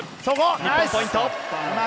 日本、ポイント！